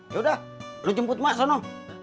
yaudah lo jemput emak sana